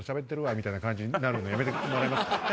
みたいな感じになるのやめてもらえますか？